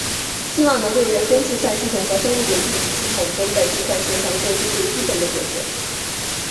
希望能对人工计算系统和生物有机体系统中的计算现象做出最基本的解释。